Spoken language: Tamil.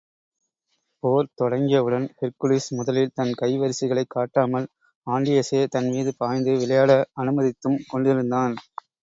போர் தொடங்கியவுடன், ஹெர்க்குலிஸ், முதலில் தன் கை வரிசைகளைக் காட்டாமல் ஆன்டியஸே தன்மீது பாய்ந்து விளையாட அநுமதித்தும் கொண்டிருந்தான்.